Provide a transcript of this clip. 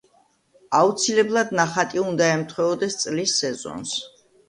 აუცილებლად ნახატი უნდა ემთხვეოდეს წლის სეზონს.